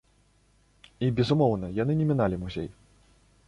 І, безумоўна, яны не міналі музей.